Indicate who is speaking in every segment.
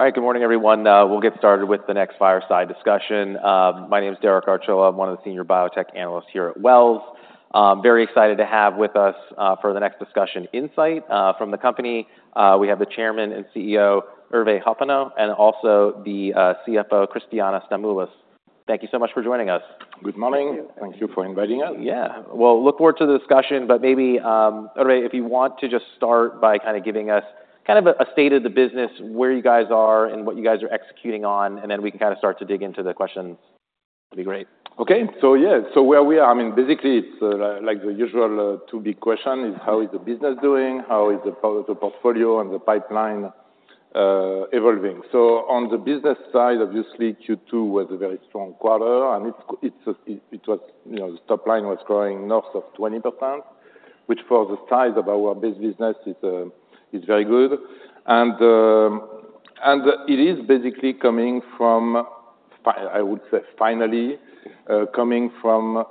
Speaker 1: All right, good morning, everyone. We'll get started with the next fireside discussion. My name is Derek Archila. I'm one of the senior biotech analysts here at Wells. I'm very excited to have with us, for the next discussion, Incyte. From the company, we have the Chairman and CEO, Hervé Hoppenot, and also the CFO, Christiana Stamoulis. Thank you so much for joining us.
Speaker 2: Good morning. Thank you for inviting us.
Speaker 1: Yeah. Well, look forward to the discussion, but maybe, Hervé, if you want to just start by kind of giving us kind of a state of the business, where you guys are, and what you guys are executing on, and then we can kind of start to dig into the questions. That'd be great. Okay. So yeah, so where we are, I mean, basically, it's like, the usual, two big question is, how is the business doing? How is the portfolio and the pipeline, evolving? So on the business side, obviously, Q2 was a very strong quarter, and it was, you know, the top line was growing north of 20%, which for the size of our base business is very good. And it is basically coming from, I would say, finally, coming from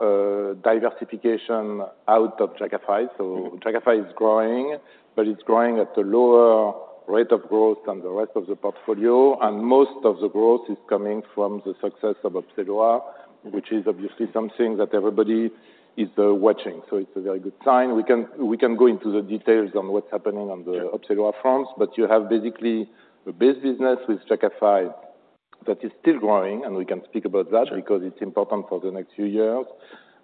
Speaker 1: diversification out of Jakafi. So Jakafi is growing, but it's growing at a lower rate of growth than the rest of the portfolio, and most of the growth is coming from the success of Opzelura, which is obviously something that everybody is watching. So it's a very good sign. We can, we can go into the details on what's happening on the- Sure...
Speaker 2: Opzelura fronts, but you have basically the base business with Jakafi that is still growing, and we can speak about that-
Speaker 1: Sure
Speaker 2: Because it's important for the next few years.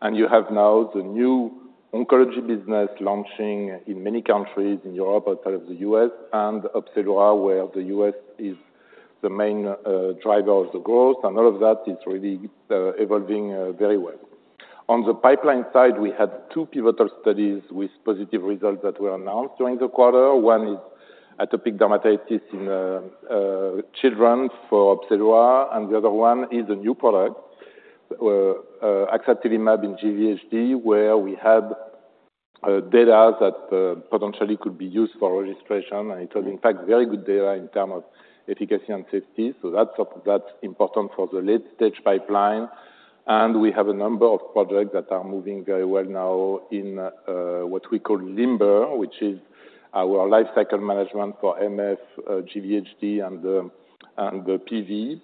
Speaker 2: And you have now the new oncology business launching in many countries in Europe, outside of the U.S., and Opzelura, where the U.S. is the main driver of the growth, and all of that is really evolving very well. On the pipeline side, we had two pivotal studies with positive results that were announced during the quarter. One is atopic dermatitis in children for Opzelura, and the other one is a new product, axatilimab in GVHD, where we had data that potentially could be used for registration, and it was, in fact, very good data in terms of efficacy and safety. So that's, that's important for the late-stage pipeline. We have a number of projects that are moving very well now in what we call LIMBER, which is our life cycle management for MF, GVHD, and PV.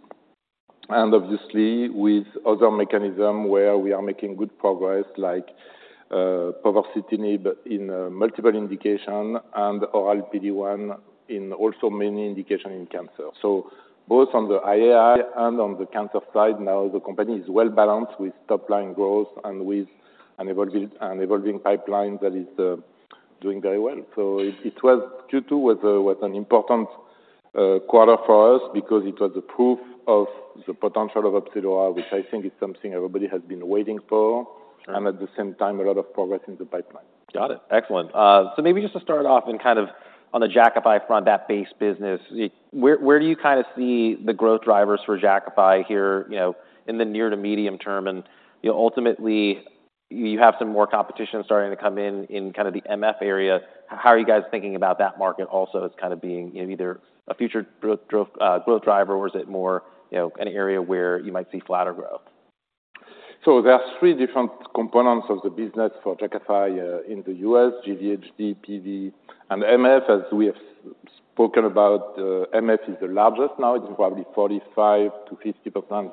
Speaker 2: And obviously, with other mechanism where we are making good progress, like povorcitinib in multiple indication and oral PD-1 in also many indication in cancer. So both on the IAI and on the cancer side, now the company is well-balanced with top-line growth and with an evolving pipeline that is doing very well. So it was Q2 was an important quarter for us because it was a proof of the potential of Opzelura, which I think is something everybody has been waiting for.
Speaker 1: Sure.
Speaker 2: At the same time, a lot of progress in the pipeline.
Speaker 1: Got it. Excellent. So maybe just to start off and kind of on the Jakafi front, that base business, where do you kind of see the growth drivers for Jakafi here, you know, in the near to medium term? You know, ultimately, you have some more competition starting to come in in kind of the MF area. How are you guys thinking about that market also as kind of being either a future growth driver, or is it more, you know, an area where you might see flatter growth?
Speaker 2: So there are three different components of the business for Jakafi, in the US, GVHD, PV, and MF. As we have spoken about, MF is the largest now. It's probably 45%-50%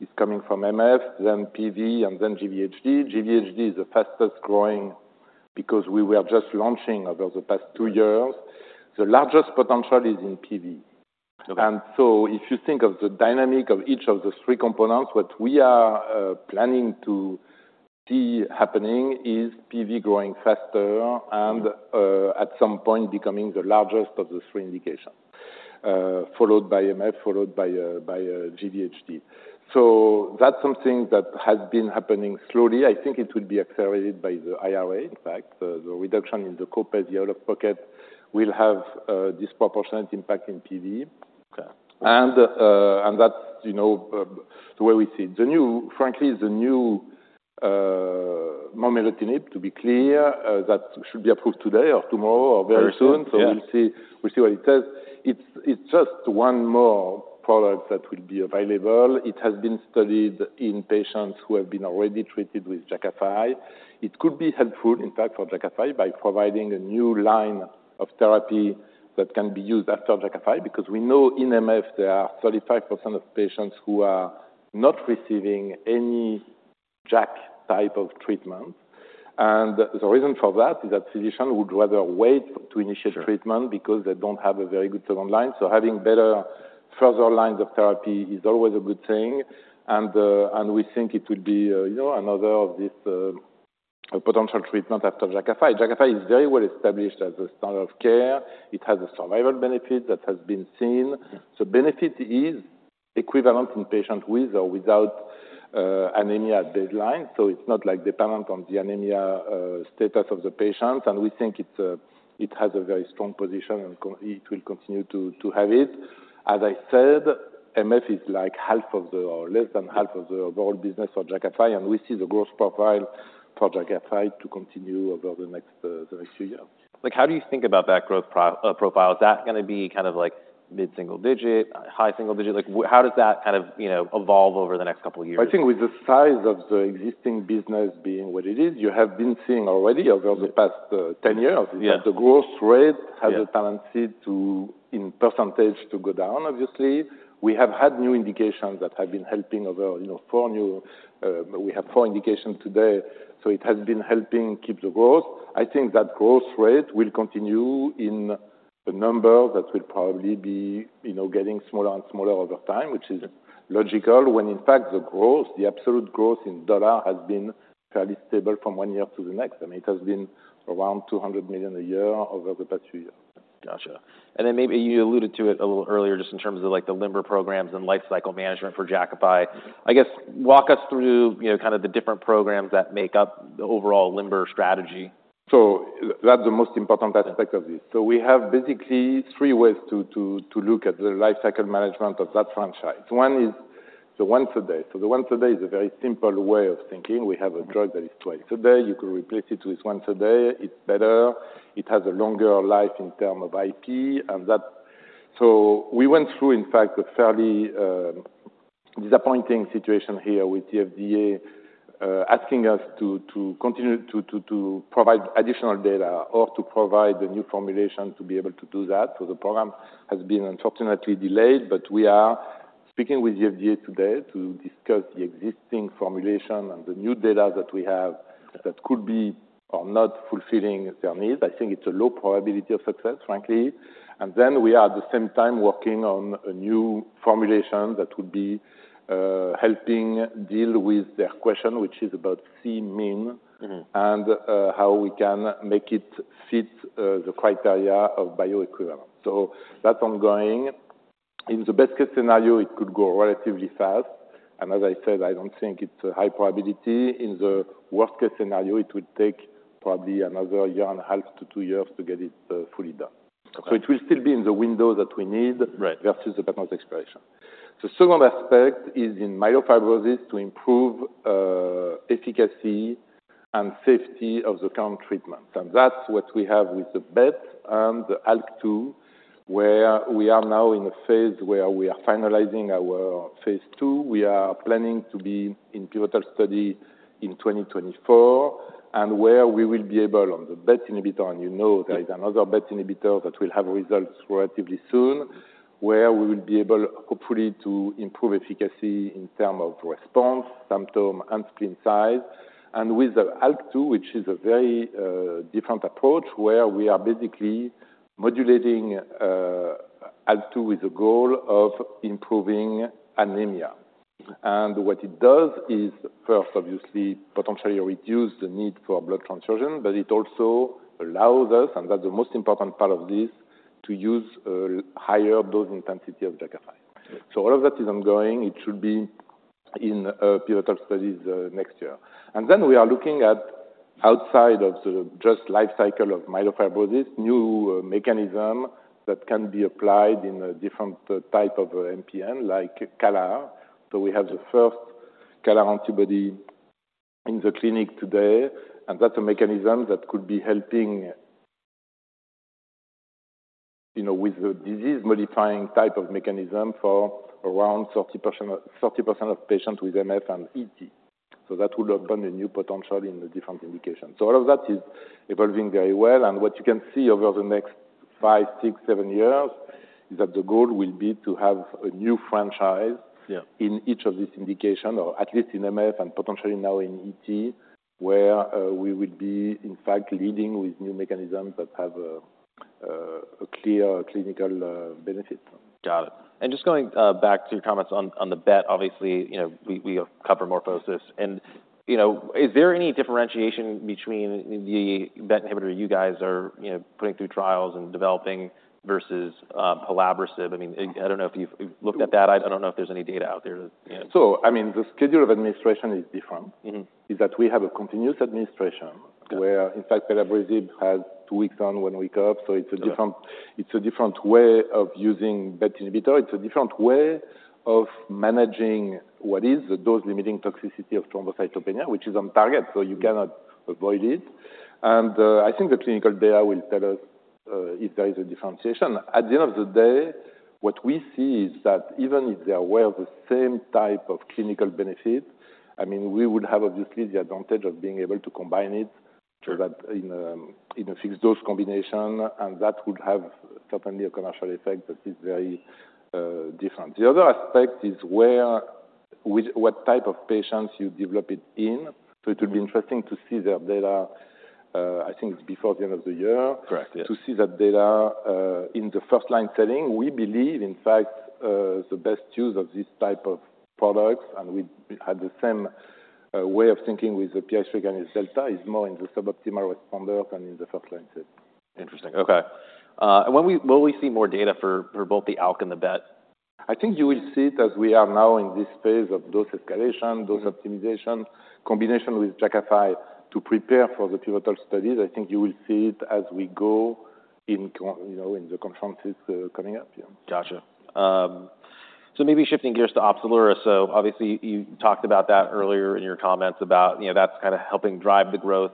Speaker 2: is coming from MF, then PV, and then GVHD. GVHD is the fastest growing because we were just launching over the past two years. The largest potential is in PV.
Speaker 1: Okay.
Speaker 2: And so if you think of the dynamic of each of the three components, what we are planning to see happening is PV growing faster and at some point becoming the largest of the three indications, followed by MF, followed by by GVHD. So that's something that has been happening slowly. I think it will be accelerated by the IRA. In fact, the, the reduction in the copay out-of-pocket will have a disproportionate impact in PV.
Speaker 1: Okay.
Speaker 2: That's, you know, the way we see it. The new, frankly, the new momelotinib, to be clear, that should be approved today or tomorrow or very soon.
Speaker 1: Very soon. Yeah.
Speaker 2: So we'll see, we'll see what it does. It's, it's just one more product that will be available. It has been studied in patients who have been already treated with Jakafi. It could be helpful, in fact, for Jakafi, by providing a new line of therapy that can be used after Jakafi, because we know in MF there are 35% of patients who are not receiving any JAK type of treatment. And the reason for that is that physicians would rather wait to initiate-
Speaker 1: Sure...
Speaker 2: treatment because they don't have a very good second line. So having better further lines of therapy is always a good thing. And, and we think it will be, you know, another of this, potential treatment after Jakafi. Jakafi is very well established as a standard of care. It has a survival benefit that has been seen.
Speaker 1: Yeah.
Speaker 2: So benefit is equivalent in patient with or without anemia. So it's not, like, dependent on the anemia status of the patient, and we think it's it has a very strong position, and it will continue to have it. As I said, MF is like half of the, or less than half of the overall business for Jakafi, and we see the growth profile for Jakafi to continue over the next few years.
Speaker 1: Like, how do you think about that growth profile? Is that gonna be kind of like mid-single-digit, high single-digit? Like, how does that kind of, you know, evolve over the next couple years?
Speaker 2: I think with the size of the existing business being what it is, you have been seeing already over the past 10 years-
Speaker 1: Yeah...
Speaker 2: the growth rate-
Speaker 1: Yeah
Speaker 2: has a tendency to, in percentage, to go down, obviously. We have had new indications that have been helping over, you know, 4 new... We have 4 indications today, so it has been helping keep the growth. I think that growth rate will continue in a number that will probably be, you know, getting smaller and smaller over time, which is logical, when in fact, the growth, the absolute growth in dollar has been fairly stable from one year to the next. I mean, it has been around $200 million a year over the past few years.
Speaker 1: Gotcha. And then maybe you alluded to it a little earlier, just in terms of, like, the LIMBER programs and life cycle management for Jakafi. I guess, walk us through, you know, kind of the different programs that make up the overall LIMBER strategy.
Speaker 2: That's the most important aspect-
Speaker 1: Yeah
Speaker 2: Of this. So we have basically three ways to look at the life cycle management of that franchise. One is the once a day. So the once a day is a very simple way of thinking.
Speaker 1: Mm-hmm.
Speaker 2: We have a drug that is twice a day. You can replace it with once a day. It's better. It has a longer life in terms of IP, and that. So we went through, in fact, a fairly disappointing situation here with the FDA asking us to continue to provide additional data or to provide a new formulation to be able to do that. So the program has been unfortunately delayed, but we are speaking with the FDA today to discuss the existing formulation and the new data that we have-
Speaker 1: Okay
Speaker 2: - that could be or not fulfilling their needs. I think it's a low probability of success, frankly. And then we are at the same time working on a new formulation that would be helping deal with their question, which is about Cmin-
Speaker 1: Mm-hmm...
Speaker 2: and, how we can make it fit, the criteria of bioequivalent. So that's ongoing. In the best case scenario, it could go relatively fast, and as I said, I don't think it's a high probability. In the worst case scenario, it would take probably another 1.5-2 years to get it, fully done.
Speaker 1: Okay.
Speaker 2: It will still be in the window that we need-
Speaker 1: Right
Speaker 2: Versus the patent expiration. The second aspect is in myelofibrosis to improve efficacy and safety of the current treatment, and that's what we have with the BET and the ALK2, where we are now in a phase where we are finalizing our phase II. We are planning to be in pivotal study in 2024, and where we will be able, on the BET inhibitor, and you know there is another BET inhibitor that will have results relatively soon, where we will be able, hopefully, to improve efficacy in terms of response, symptom, and spleen size. With the ALK2, which is a very different approach, where we are basically modulating ALK2 with the goal of improving anemia. What it does is first, obviously, potentially reduce the need for blood transfusion, but it also allows us, and that's the most important part of this, to use a higher dose intensity of Jakafi.
Speaker 1: Yeah.
Speaker 2: So all of that is ongoing. It should be in pivotal studies next year. And then we are looking at outside of the just life cycle of myelofibrosis, new mechanism that can be applied in a different type of MPN, like CALR. So we have the first CALR antibody in the clinic today, and that's a mechanism that could be helping, you know, with the disease-modifying type of mechanism for around 30%, 30% of patients with MF and ET. So that would open a new potential in a different indication. So all of that is evolving very well, and what you can see over the next 5, 6, 7 years, is that the goal will be to have a new franchise-
Speaker 1: Yeah...
Speaker 2: in each of these indications, or at least in MF and potentially now in ET, where we will be, in fact, leading with new mechanisms that have a clear clinical benefit.
Speaker 1: Got it. And just going back to your comments on the BET, obviously, you know, we have covered more focuses. And, you know, is there any differentiation between the BET inhibitor you guys are, you know, putting through trials and developing versus pelabresib? I mean, I don't know if you've looked at that. I don't know if there's any data out there, you know.
Speaker 2: I mean, the schedule of administration is different.
Speaker 1: Mm-hmm.
Speaker 2: Is that we have a continuous administration-
Speaker 1: Okay...
Speaker 2: where, in fact, pelabresib has two weeks on, one week off.
Speaker 1: Yeah.
Speaker 2: So it's a different way of using BET inhibitor. It's a different way of managing what is the dose-limiting toxicity of thrombocytopenia, which is on target-
Speaker 1: Yeah...
Speaker 2: so you cannot avoid it. I think the clinical data will tell us if there is a differentiation. At the end of the day, what we see is that even if they are aware of the same type of clinical benefit, I mean, we would have, obviously, the advantage of being able to combine it.
Speaker 1: Sure...
Speaker 2: so that in a, in a fixed-dose combination, and that would have certainly a commercial effect that is very, different. The other aspect is where, with what type of patients you develop it in. So it will be interesting to see their data, I think it's before the end of the year.
Speaker 1: Correct. Yeah...
Speaker 2: to see that data, in the first-line setting. We believe, in fact, the best use of this type of products, and we have the same, way of thinking with the parsaclisib, is more in the suboptimal responder than in the first-line setting....
Speaker 1: Interesting. Okay. And when will we see more data for both the ALK and the BET?
Speaker 2: I think you will see it as we are now in this phase of dose escalation.
Speaker 1: Mm-hmm.
Speaker 2: -dose optimization, combination with Jakafi to prepare for the pivotal studies. I think you will see it as we go in, you know, in the conferences coming up. Yeah.
Speaker 1: Gotcha. So maybe shifting gears to Opzelura. So obviously, you talked about that earlier in your comments about, you know, that's kind of helping drive the growth.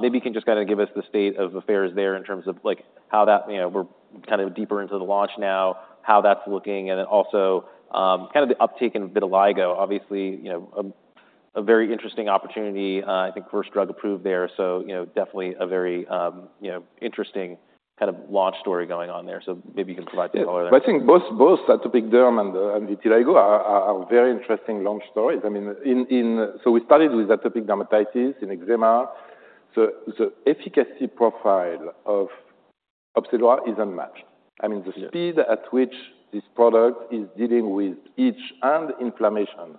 Speaker 1: Maybe you can just kind of give us the state of affairs there in terms of, like, how that... You know, we're kind of deeper into the launch now, how that's looking, and then also, kind of the uptake in vitiligo. Obviously, you know, a very interesting opportunity. I think first drug approved there, so, you know, definitely a very, you know, interesting kind of launch story going on there. So maybe you can provide some color there.
Speaker 2: I think both atopic derm and vitiligo are very interesting launch stories. I mean, so we started with atopic dermatitis in eczema. The efficacy profile of Opzelura is unmatched.
Speaker 1: Yeah.
Speaker 2: I mean, the speed at which this product is dealing with itch and inflammation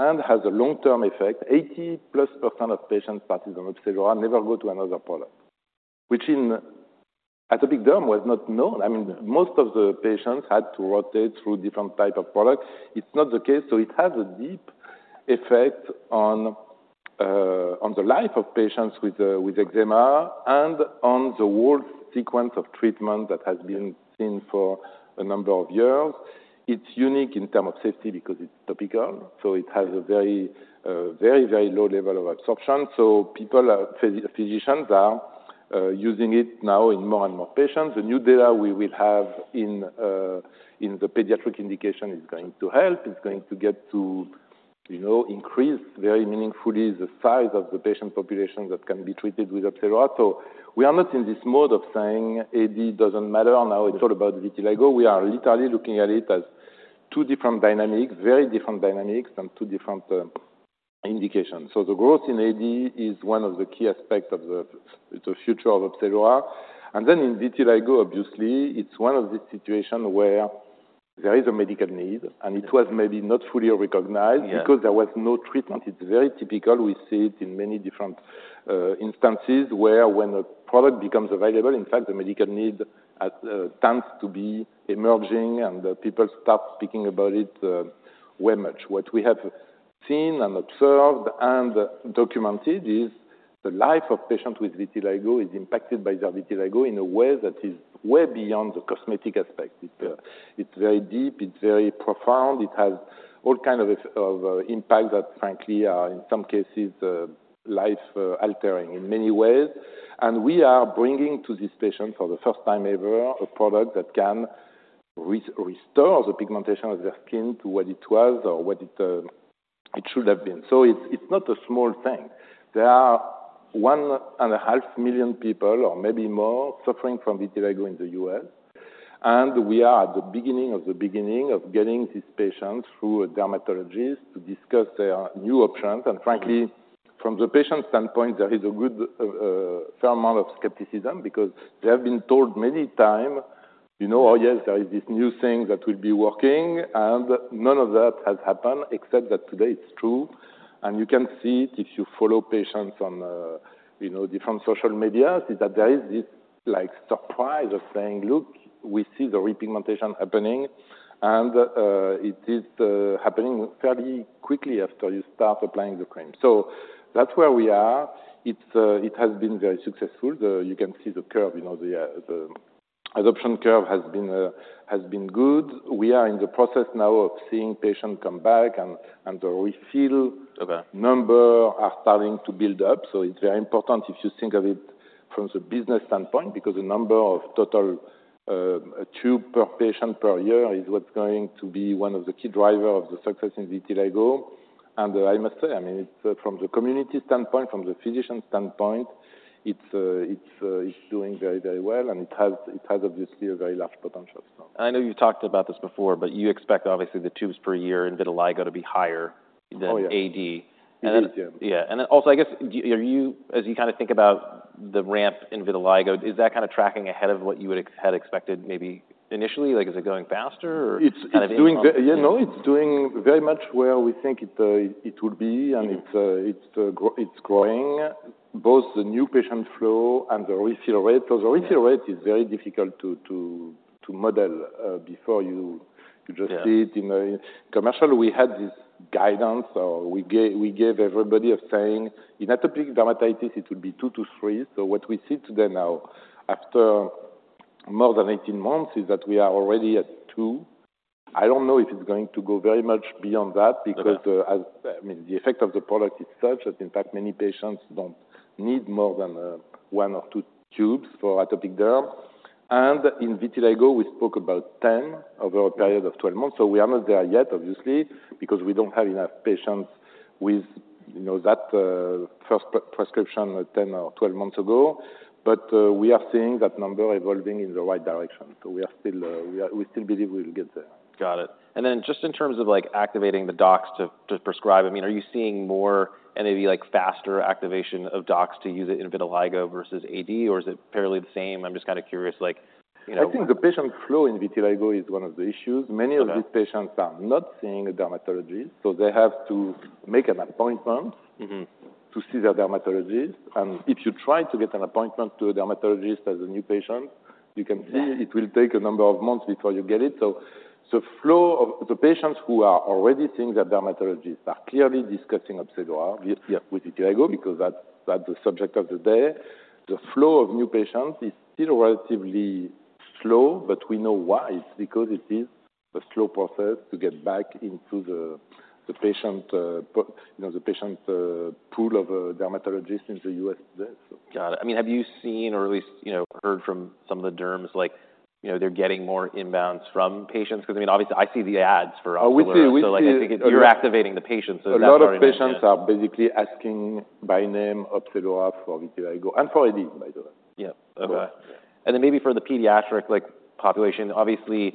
Speaker 2: and has a long-term effect, 80%+ of patients that is on Opzelura never go to another product, which in atopic derm was not known. I mean, most of the patients had to rotate through different type of products. It's not the case. So it has a deep effect on, on the life of patients with, with eczema and on the whole sequence of treatment that has been seen for a number of years. It's unique in term of safety because it's topical, so it has a very, very, very low level of absorption. So physicians are using it now in more and more patients. The new data we will have in, in the pediatric indication is going to help. It's going to get to, you know, increase very meaningfully the size of the patient population that can be treated with Opzelura. So we are not in this mode of saying AD doesn't matter, and now it's all about vitiligo. We are literally looking at it as two different dynamics, very different dynamics, and two different indications. So the growth in AD is one of the key aspects of the future of Opzelura. And then in vitiligo, obviously, it's one of the situation where there is a medical need, and it was maybe not fully recognized-
Speaker 1: Yeah...
Speaker 2: because there was no treatment. It's very typical. We see it in many different instances where when a product becomes available, in fact, the medical need tends to be emerging, and people start speaking about it very much. What we have seen and observed and documented is the life of patients with vitiligo is impacted by their vitiligo in a way that is way beyond the cosmetic aspect. It's very deep. It's very profound. It has all kind of impact that frankly are, in some cases, life-altering in many ways. And we are bringing to these patients, for the first time ever, a product that can restore the pigmentation of their skin to what it was or what it should have been. So it's not a small thing. There are 1.5 million people, or maybe more, suffering from vitiligo in the U.S., and we are at the beginning of the beginning of getting these patients through a dermatologist to discuss their new options. Frankly, from the patient's standpoint, there is a good fair amount of skepticism because they have been told many time, you know, "Oh, yes, there is this new thing that will be working," and none of that has happened, except that today it's true. You can see it if you follow patients on, you know, different social medias; is that there is this, like, surprise of saying, "Look, we see the repigmentation happening," and it is happening fairly quickly after you start applying the cream. That's where we are. It's it has been very successful. The... You can see the curve, you know, the adoption curve has been good. We are in the process now of seeing patients come back and we feel the numbers are starting to build up, so it's very important if you think of it from the business standpoint, because the number of total tubes per patient per year is what's going to be one of the key driver of the success in vitiligo. And I must say, I mean, it's from the community standpoint, from the physician standpoint, it's doing very, very well, and it has obviously a very large potential. So...
Speaker 1: I know you've talked about this before, but you expect obviously the tubes per year in vitiligo to be higher-
Speaker 2: Oh, yeah.
Speaker 1: -than AD.
Speaker 2: We do, yeah.
Speaker 1: Yeah. And then also, I guess, do you—as you kind of think about the ramp in vitiligo, is that kind of tracking ahead of what you would have expected, maybe initially? Like, is it going faster or kind of being on...
Speaker 2: It's doing— Yeah, no, it's doing very much where we think it, it would be-
Speaker 1: Yeah...
Speaker 2: and it's growing, both the new patient flow and the refill rate because the refill rate is very difficult to model before you just see it-
Speaker 1: Yeah...
Speaker 2: in a commercial. We had this guidance, or we gave, we gave everybody a saying, "In atopic dermatitis, it will be two to three." So what we see today now, after more than 18 months, is that we are already at two. I don't know if it's going to go very much beyond that because, I mean, the effect of the product is such that in fact, many patients don't need more than one or two tubes for atopic derm. And in vitiligo, we spoke about 10 over a period of 12 months, so we are not there yet, obviously, because we don't have enough patients with, you know, that first prescription 10 or 12 months ago. But we are seeing that number evolving in the right direction. So we are still, we still believe we will get there.
Speaker 1: Got it. And then just in terms of, like, activating the docs to prescribe, I mean, are you seeing more and maybe, like, faster activation of docs to use it in vitiligo versus AD, or is it fairly the same? I'm just kind of curious, like, you know-
Speaker 2: I think the patient flow in vitiligo is one of the issues.
Speaker 1: Okay.
Speaker 2: Many of these patients are not seeing a dermatologist, so they have to make an appointment.
Speaker 1: Mm-hmm....
Speaker 2: to see their dermatologist, and if you try to get an appointment to a dermatologist as a new patient, you can see it will take a number of months before you get it. So, the flow of the patients who are already seeing their dermatologists are clearly discussing Opzelura, yeah, with vitiligo, because that's, that's the subject of today. The flow of new patients is still relatively slow, but we know why. It's because it is a slow process to get back into the patient pool of dermatologists in the U.S. today, so.
Speaker 1: Got it. I mean, have you seen, or at least, you know, heard from some of the derms, like, you know, they're getting more inbounds from patients? 'Cause, I mean, obviously, I see the ads for Opzelura.
Speaker 2: Oh, we see-
Speaker 1: So, like, I think you're reactivating the patients, so that's already-
Speaker 2: A lot of patients are basically asking by name Opzelura for vitiligo and for AD, by the way.
Speaker 1: Yeah. Then maybe for the pediatric, like, population, obviously,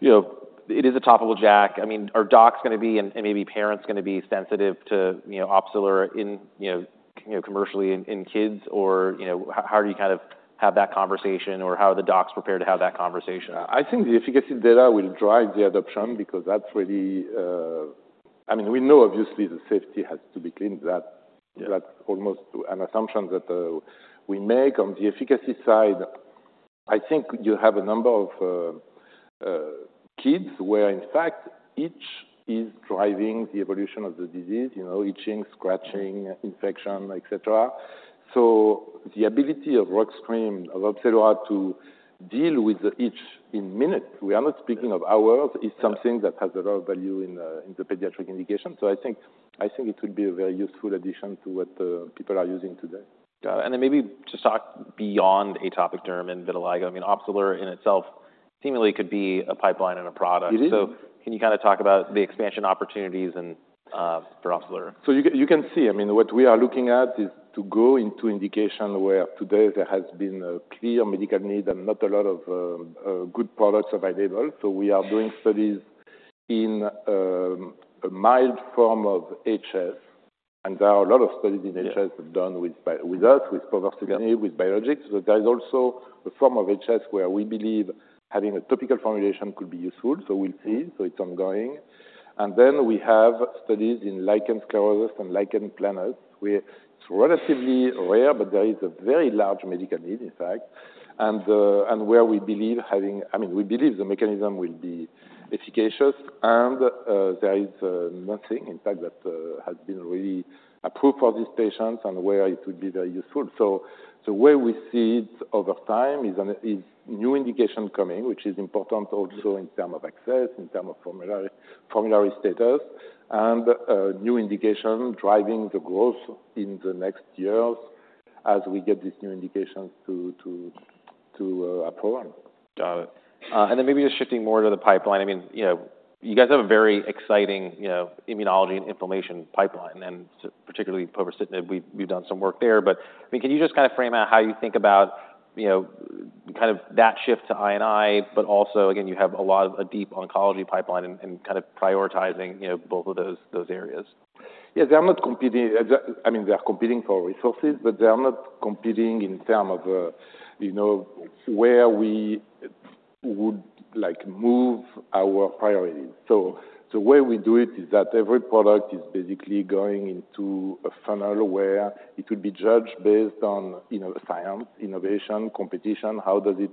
Speaker 1: you know, it is a topical JAK. I mean, are docs gonna be, and maybe parents, gonna be sensitive to, you know, Opzelura in, you know, commercially in kids? Or, you know, how do you kind of have that conversation or how are the docs prepared to have that conversation?
Speaker 2: I think the efficacy data will drive the adoption because that's really, I mean, we know obviously the safety has to be clean. That
Speaker 1: Yeah...
Speaker 2: that's almost an assumption that we make. On the efficacy side, I think you have a number of kids, where in fact, itch is driving the evolution of the disease, you know, itching, scratching, infection, et cetera. So the ability of ruxolitinib, of Opzelura, to deal with the itch in minutes, we are not speaking of hours-
Speaker 1: Yeah
Speaker 2: -is something that has a lot of value in, in the pediatric indication. So I think, I think it will be a very useful addition to what, people are using today.
Speaker 1: Got it. And then maybe just talk beyond atopic derm and vitiligo. I mean, Opzelura in itself seemingly could be a pipeline and a product.
Speaker 2: It is.
Speaker 1: Can you kind of talk about the expansion opportunities and for Opzelura?
Speaker 2: So you can, you can see, I mean, what we are looking at is to go into indication where today there has been a clear medical need and not a lot of good products available. So we are doing studies in a mild form of HS, and there are a lot of studies in HS-
Speaker 1: Yeah
Speaker 2: with us, with povorcitinib
Speaker 1: Yeah
Speaker 2: -with biologics. But there is also a form of HS, where we believe having a topical formulation could be useful. So we'll see.
Speaker 1: Yeah.
Speaker 2: So it's ongoing. Then we have studies in lichen sclerosus and lichen planus, where it's relatively rare, but there is a very large medical need, in fact, and where we believe having... I mean, we believe the mechanism will be efficacious, and there is nothing, in fact, that has been really approved for these patients and where it would be very useful. So, the way we see it over time is a new indication coming, which is important also in term of access, in term of formulary, formulary status, and new indication driving the growth in the next years as we get these new indications to approve.
Speaker 1: Got it. And then maybe just shifting more to the pipeline. I mean, you know, you guys have a very exciting, you know, immunology and inflammation pipeline, and particularly povorcitinib, we've, we've done some work there. But, I mean, can you just kind of frame out how you think about, you know, kind of that shift to I and I, but also, again, you have a lot of a deep oncology pipeline and, and kind of prioritizing, you know, both of those, those areas?
Speaker 2: Yes, they are not competing. I mean, they are competing for resources, but they are not competing in terms of, you know, where we would like move our priorities. So, the way we do it is that every product is basically going into a funnel, where it will be judged based on, you know, the science, innovation, competition, how does it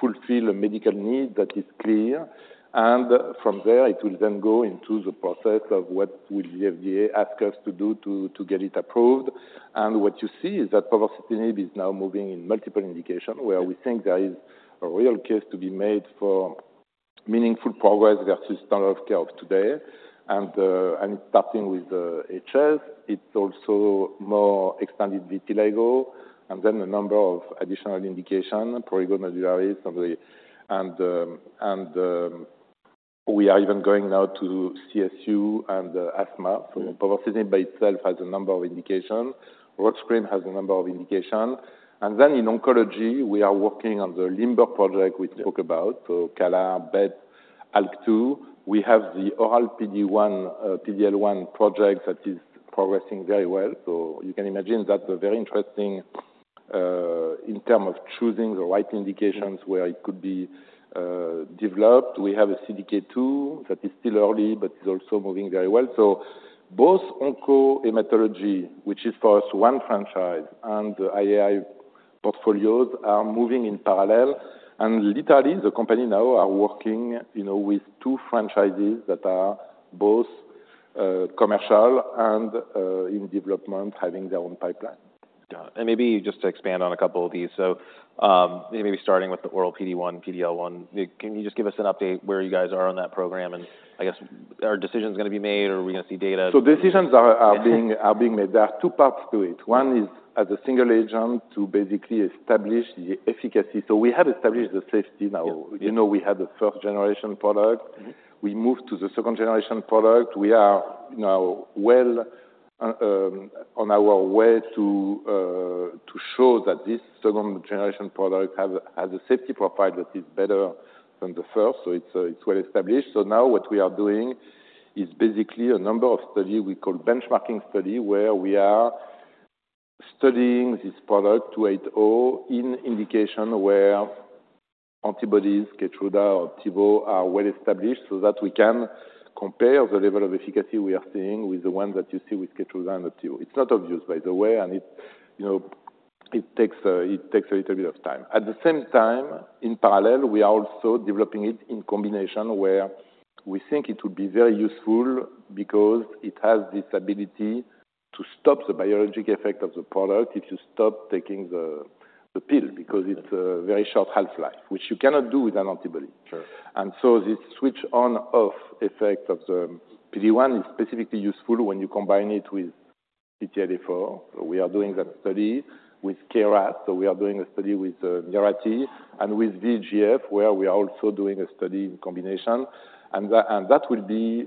Speaker 2: fulfill a medical need that is clear? And from there, it will then go into the process of what will the FDA ask us to do to get it approved. And what you see is that povorcitinib is now moving in multiple indication-
Speaker 1: Yeah
Speaker 2: Where we think there is a real case to be made for meaningful progress versus standard of care of today. And starting with HS, it's also more expanded vitiligo, and then a number of additional indication, prurigo nodularis, probably. And we are even going now to CSU and asthma.
Speaker 1: Yeah.
Speaker 2: Povorcitinib by itself has a number of indications. Ruxolitinib has a number of indications. And then in oncology, we are working on the LIMBER project we spoke about.
Speaker 1: Yeah.
Speaker 2: So CALR, BET, ALK2. We have the oral PD-1, PD-L1 project that is progressing very well. So you can imagine that's a very interesting in terms of choosing the right indications-
Speaker 1: Yeah
Speaker 2: -where it could be developed. We have a CDK2 that is still early, but is also moving very well. So both onco hematology, which is for us, one franchise, and IAI portfolios are moving in parallel. And literally, the company now are working, you know, with two franchises that are both, commercial and, in development, having their own pipeline.
Speaker 1: Got it. And maybe just to expand on a couple of these. So, maybe starting with the oral PD-1, PD-L1, can you just give us an update where you guys are on that program? And I guess, are decisions gonna be made or are we gonna see data?
Speaker 2: Decisions are being made. There are two parts to it.
Speaker 1: Yeah.
Speaker 2: One is as a single agent to basically establish the efficacy. So we have established the safety now.
Speaker 1: Yeah.
Speaker 2: You know, we had a first-generation product.
Speaker 1: Mm-hmm.
Speaker 2: We moved to the second-generation product. We are now well on our way to show that this second-generation product has a safety profile that is better than the first. So it's well established. So now what we are doing is basically a number of study we call benchmarking study, where we are studying this product, 280, in indication where antibodies, Keytruda or Opdivo, are well established, so that we can compare the level of efficacy we are seeing with the one that you see with Keytruda and Opdivo. It's not obvious, by the way, and you know, it takes a little bit of time. At the same time, in parallel, we are also developing it in combination where we think it will be very useful because it has this ability to stop the biologic effect of the product if you stop taking the pill, because it's a very short half-life, which you cannot do with an antibody.
Speaker 1: Sure.
Speaker 2: And so this switch on/off effect of the PD-1 is specifically useful when you combine it with CTLA-4. We are doing that study with KRAS, so we are doing a study with Mirati and with VEGF, where we are also doing a study in combination. And that will be.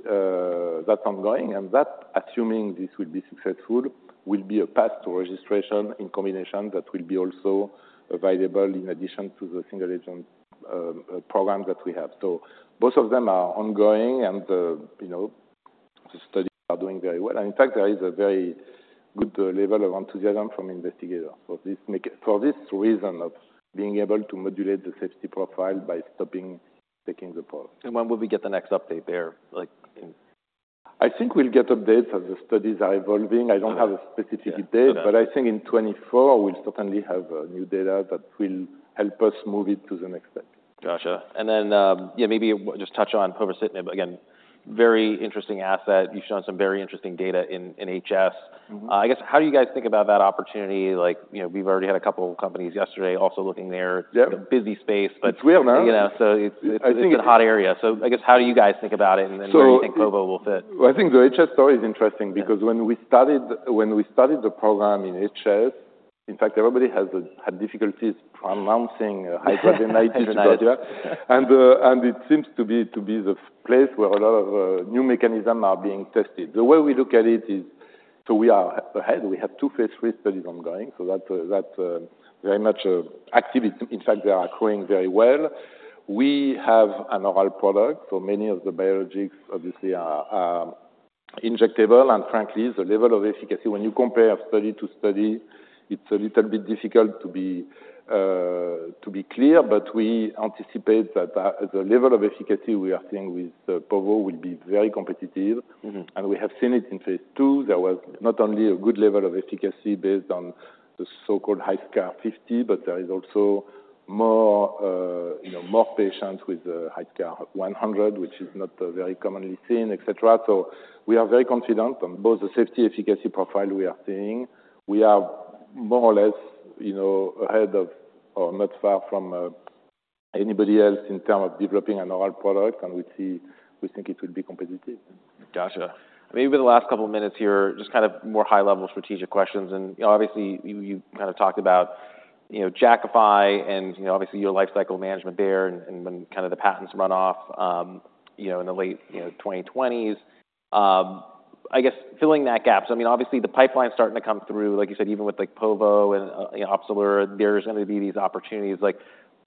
Speaker 2: That's ongoing, and that, assuming this will be successful, will be a path to registration in combination that will be also available in addition to the single agent program that we have. So both of them are ongoing and the, you know, the studies are doing very well. And in fact, there is a very good level of enthusiasm from investigators. So this makes it for this reason of being able to modulate the safety profile by stopping taking the product.
Speaker 1: When will we get the next update there? Like in-
Speaker 2: I think we'll get updates as the studies are evolving.
Speaker 1: Got it.
Speaker 2: I don't have a specific date.
Speaker 1: Yeah. So then-
Speaker 2: - but I think in 2024, we'll certainly have new data that will help us move it to the next step.
Speaker 1: Gotcha. And then, yeah, maybe just touch on povorcitinib. Again, very interesting asset. You've shown some very interesting data in HS.
Speaker 2: Mm-hmm.
Speaker 1: I guess, how do you guys think about that opportunity? Like, you know, we've already had a couple of companies yesterday also looking there.
Speaker 2: Yeah.
Speaker 1: A busy space, but-
Speaker 2: It's weird, huh?
Speaker 1: You know, so it's-
Speaker 2: I think it-
Speaker 1: It's a hot area. I guess, how do you guys think about it, and then-
Speaker 2: So-
Speaker 1: Where do you think Povo will fit?
Speaker 2: Well, I think the HS story is interesting-
Speaker 1: Yeah...
Speaker 2: because when we started the program in HS, in fact, everybody had difficulties pronouncing hidradenitis suppurativa-
Speaker 1: hidradenitis.
Speaker 2: It seems to be the place where a lot of new mechanism are being tested. The way we look at it is, we are ahead. We have two phase III studies ongoing, so that very much activity. In fact, they are accruing very well. We have an oral product, so many of the biologics obviously are injectable, and frankly, the level of efficacy, when you compare study to study, it's a little bit difficult to be clear. We anticipate that the level of efficacy we are seeing with povo will be very competitive.
Speaker 1: Mm-hmm.
Speaker 2: We have seen it in phase II. There was not only a good level of efficacy based on the so-called HiSCR 50, but there is also more, you know, more patients with HiSCR 100, which is not very commonly seen, et cetera. So we are very confident on both the safety, efficacy profile we are seeing. We are more or less, you know, ahead of, or not far from, anybody else in terms of developing an oral product, and we think it will be competitive.
Speaker 1: Gotcha. Maybe the last couple minutes here, just kind of more high-level strategic questions. And, you know, obviously, you kind of talked about, you know, Jakafi and, you know, obviously your life cycle management there and when kind of the patents run off, you know, in the late 2020s. I guess filling that gap. So I mean, obviously the pipeline's starting to come through, like you said, even with, like, povo and, you know, Opzelura, there's going to be these opportunities. Like,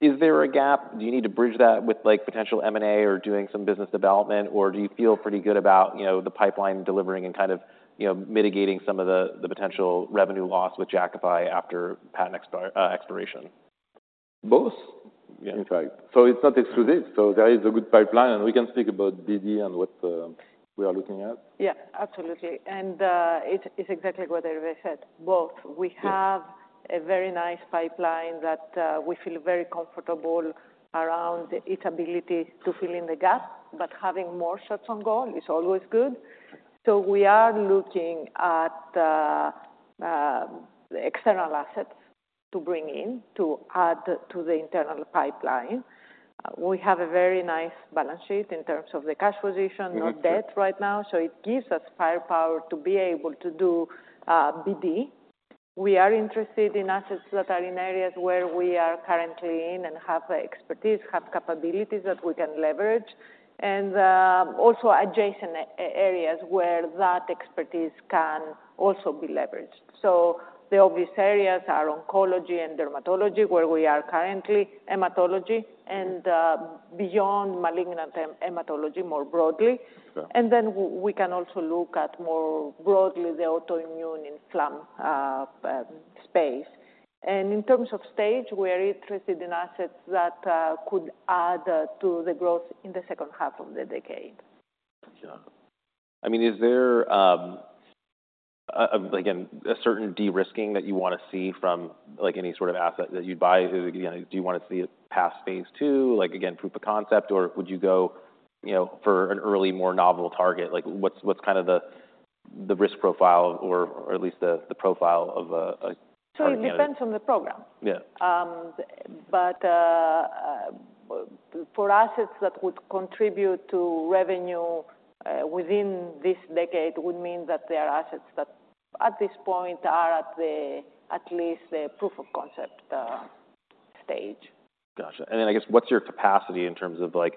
Speaker 1: is there a gap? Do you need to bridge that with, like, potential M&A or doing some business development, or do you feel pretty good about, you know, the pipeline delivering and kind of, you know, mitigating some of the potential revenue loss with Jakafi after patent expiration?
Speaker 2: Both-
Speaker 1: Yeah...
Speaker 2: in fact. So it's not exclusive. So there is a good pipeline, and we can speak about BD and what we are looking at.
Speaker 3: Yeah, absolutely. And, it is exactly what Hervé said, both.
Speaker 2: Yeah.
Speaker 3: We have a very nice pipeline that, we feel very comfortable around its ability to fill in the gap, but having more shots on goal is always good. So we are looking at, external assets to bring in to add to the internal pipeline. We have a very nice balance sheet in terms of the cash position, no debt right now, so it gives us firepower to be able to do BD. We are interested in assets that are in areas where we are currently in and have expertise, have capabilities that we can leverage, and also adjacent areas where that expertise can also be leveraged. So the obvious areas are oncology and dermatology, where we are currently, hematology, and beyond malignant hematology, more broadly. And then we can also look at more broadly the autoimmune inflammatory space. And in terms of stage, we're interested in assets that could add to the growth in the second half of the decade.
Speaker 1: Gotcha. I mean, is there, again, a certain de-risking that you want to see from, like, any sort of asset that you'd buy? You know, do you want to see it past phase II, like again, proof of concept? Or would you go, you know, for an early, more novel target? Like, what's kind of the risk profile or at least the profile of a
Speaker 3: It depends on the program.
Speaker 1: Yeah.
Speaker 3: But, for assets that would contribute to revenue, within this decade would mean that they are assets that, at this point, are at the, at least the proof of concept, stage.
Speaker 1: Gotcha. And then, I guess, what's your capacity in terms of, like,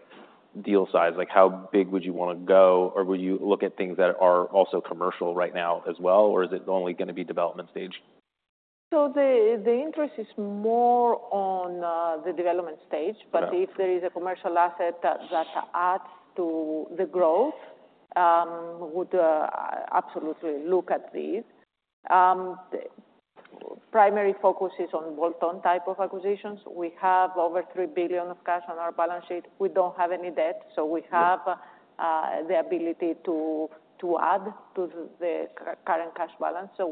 Speaker 1: deal size? Like, how big would you want to go, or would you look at things that are also commercial right now as well, or is it only going to be development stage?
Speaker 3: The interest is more on the development stage.
Speaker 1: Yeah.
Speaker 3: But if there is a commercial asset that adds to the growth, we would absolutely look at these. The primary focus is on bolt-on type of acquisitions. We have over $3 billion of cash on our balance sheet. We don't have any debt, so we have the ability to add to the current cash balance. So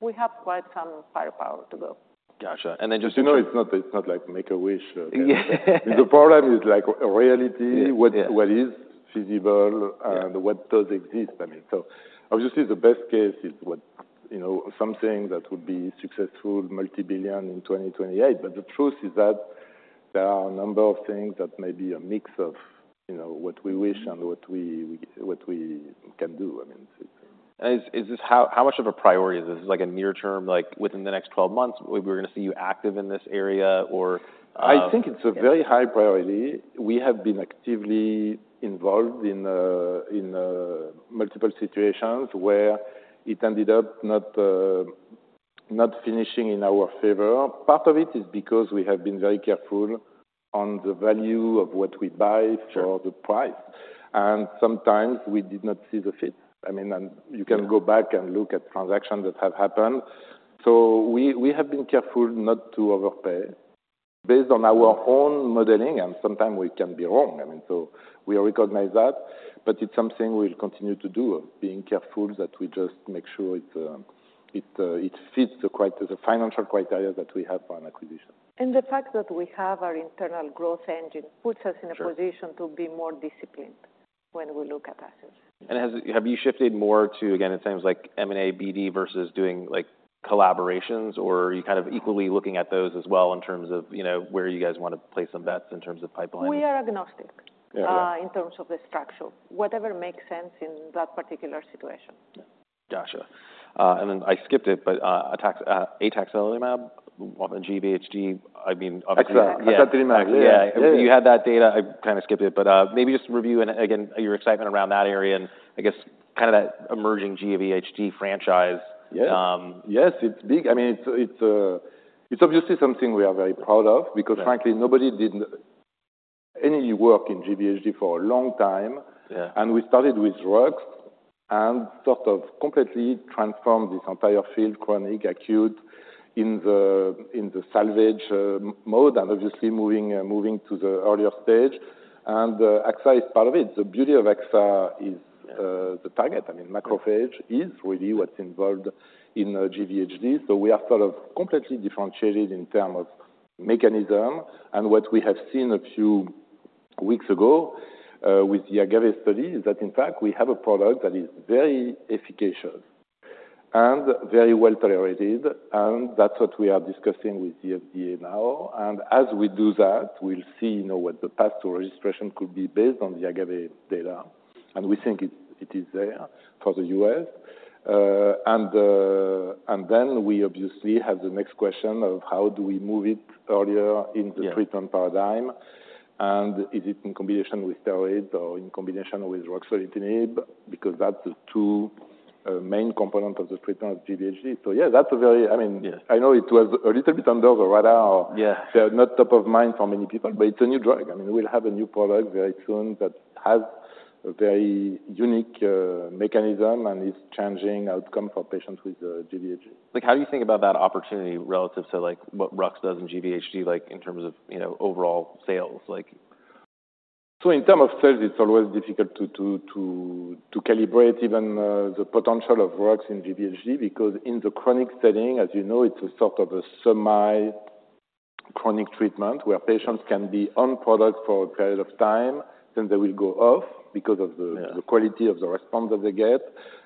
Speaker 3: we have quite some firepower to go.
Speaker 1: Gotcha. And then just-
Speaker 2: You know, it's not, it's not like make a wish.
Speaker 1: Yeah.
Speaker 2: The problem is like reality-
Speaker 1: Yeah...
Speaker 2: what is feasible-
Speaker 1: Yeah
Speaker 2: - and what does exist? I mean, so obviously the best case is what, you know, something that would be successful, multi-billion in 2028. But the truth is that there are a number of things that may be a mix of, you know, what we wish and what we, we, what we can do. I mean, it's-
Speaker 1: Is this how...? How much of a priority is this? Is this like a near term, like within the next 12 months, we're gonna see you active in this area or...
Speaker 2: I think it's a very high priority. We have been actively involved in multiple situations where it ended up not finishing in our favor. Part of it is because we have been very careful on the value of what we buy-
Speaker 1: Sure
Speaker 2: for the price. Sometimes we did not see the fit. I mean, and-
Speaker 1: Yeah
Speaker 2: You can go back and look at transactions that have happened. So we have been careful not to overpay based on our own modeling, and sometimes we can be wrong. I mean, so we recognize that, but it's something we'll continue to do, being careful that we just make sure it fits the financial criteria that we have for an acquisition.
Speaker 3: The fact that we have our internal growth engine puts us-
Speaker 1: Sure
Speaker 3: in a position to be more disciplined when we look at assets.
Speaker 1: Have you shifted more to, again, in terms like M&A, BD, versus doing, like, collaborations? Or are you kind of equally looking at those as well in terms of, you know, where you guys want to place some bets in terms of pipeline?
Speaker 3: We are agnostic-
Speaker 1: Yeah
Speaker 3: in terms of the structure. Whatever makes sense in that particular situation.
Speaker 1: Yeah. Gotcha. And then I skipped it, but ataxatilimab on the GVHD, I mean-
Speaker 2: Axad- ataxatilimab.
Speaker 1: Yeah.
Speaker 2: Yeah.
Speaker 1: You had that data, I kind of skipped it, but, maybe just review and again, your excitement around that area and I guess kind of that emerging GVHD franchise.
Speaker 2: Yeah.
Speaker 1: Um-
Speaker 2: Yes, it's big. I mean, it's obviously something we are very proud of-
Speaker 1: Yeah
Speaker 2: - because frankly, nobody did any work in GVHD for a long time.
Speaker 1: Yeah.
Speaker 2: We started with drugs and sort of completely transformed this entire field, chronic, acute, in the salvage mode, and obviously moving, moving to the earlier stage. Axa is part of it. The beauty of Axa is, I mean, the target. I mean, macrophage is really what's involved in GVHD. We are sort of completely differentiated in terms of mechanism. What we have seen a few weeks ago with the AGAVE-201 study is that in fact, we have a product that is very efficacious and very well tolerated, and that's what we are discussing with the FDA now. As we do that, we'll see, you know, what the path to registration could be based on the AGAVE-201 data, and we think it is there for the U.S. and then we obviously have the next question of how do we move it earlier-
Speaker 1: Yeah
Speaker 2: - in the treatment paradigm, and is it in combination with steroids or in combination with Ruxolitinib? Because that's the two main component of the treatment of GVHD. So yeah, that's a very... I mean-
Speaker 1: Yeah
Speaker 2: I know it was a little bit under the radar.
Speaker 1: Yeah.
Speaker 2: Not top of mind for many people, but it's a new drug. I mean, we'll have a new product very soon that has a very unique mechanism, and it's changing outcome for patients with GVHD.
Speaker 1: Like, how do you think about that opportunity relative to, like, what Rux does in GVHD, like, in terms of, you know, overall sales, like?
Speaker 2: So in terms of sales, it's always difficult to calibrate even the potential of Rux in GVHD, because in the chronic setting, as you know, it's a sort of a semi-chronic treatment, where patients can be on product for a period of time, then they will go off because of the-
Speaker 1: Yeah
Speaker 2: - the quality of the response that they get,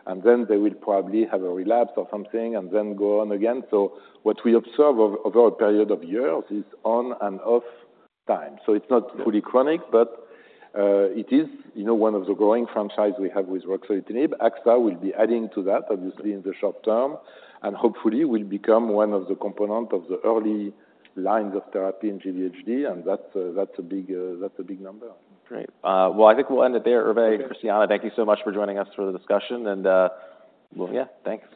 Speaker 2: and then they will probably have a relapse or something and then go on again. So what we observe over a period of years is on and off time.
Speaker 1: Yeah.
Speaker 2: So it's not fully chronic, but it is, you know, one of the growing franchises we have with Ruxolitinib. Ataxatilimab will be adding to that, obviously, in the short term, and hopefully will become one of the component of the early lines of therapy in GVHD, and that's a, that's a big number.
Speaker 1: Great. Well, I think we'll end it there. Hervé, Christiana, thank you so much for joining us for the discussion, and, well, yeah, thanks.